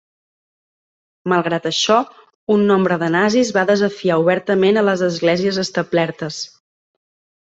Malgrat això, un nombre de nazis va desafiar obertament a les esglésies establertes.